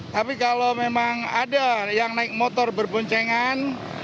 tapi kalau memang ada yang naik motor berboncengan